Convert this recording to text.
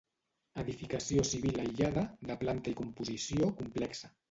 Edificació civil aïllada, de planta i composició complexa.